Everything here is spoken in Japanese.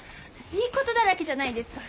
いいことだらけじゃないですか。